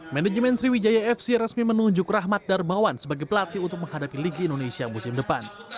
manajemen sriwijaya fc resmi menunjuk rahmat darmawan sebagai pelatih untuk menghadapi liga indonesia musim depan